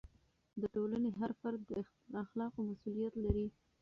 د ټولنې هر فرد د اخلاقو مسؤلیت لري.